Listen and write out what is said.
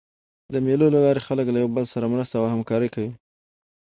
د مېلو له لاري خلک له یو بل سره مرسته او همکاري کوي.